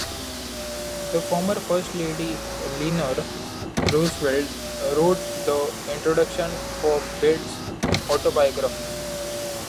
The former First lady Eleanor Roosevelt wrote the introduction for Bate's autobiography.